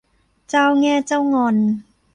เจ้าแง่เจ้างอน